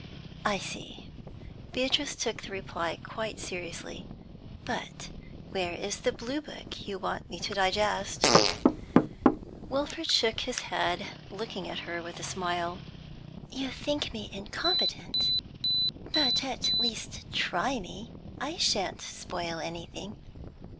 'I see.' Beatrice took the reply quite seriously. 'But where is the blue book you want me to digest?' Wilfrid shook his head, looking at her with a smile. 'You think me incompetent? But at least try me. I shan't spoil anything.'